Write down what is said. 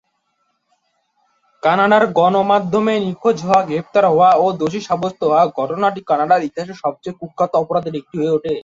কানাডার গণমাধ্যমে নিখোঁজ হওয়া, গ্রেপ্তার হওয়া ও দোষী সাব্যস্ত হওয়া ঘটনাটি কানাডার ইতিহাসের সবচেয়ে কুখ্যাত অপরাধের একটি হয়ে ওঠে।